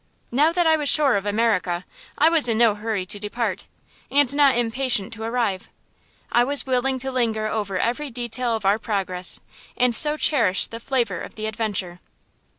Now that I was sure of America, I was in no hurry to depart, and not impatient to arrive. I was willing to linger over every detail of our progress, and so cherish the flavor of the adventure.